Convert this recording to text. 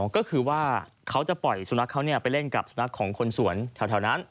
ก็คือว่าเค้าจะปล่อยส่วนรักเค้าเนี้ยไปเล่นกับส่วนรักของคนส่วนแถวนั้น